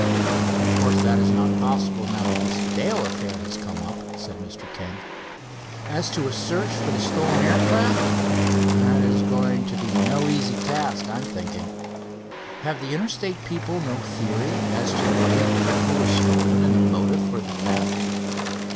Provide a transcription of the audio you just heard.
"Of course that is not possible, now that this Dale affair has come up," said Mr. King. "As to a search for the stolen aircraft, that is going to be no easy task, I'm thinking. Have the Interstate people no theory as to the way the Drifter was stolen, and the motive for the theft?"